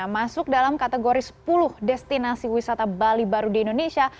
masuk dalam kategori sepuluh destinasi wisata bali baru di indonesia